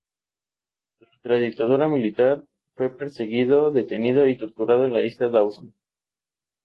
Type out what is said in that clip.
Durante la dictadura militar, fue perseguido, detenido y torturado en Isla Dawson.